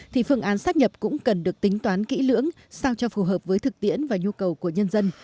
thì phương án sắp nhập cũng cần được tính toán kỹ lưỡng sao cho phù hợp với thực tiễn và nhu cầu của nhân dân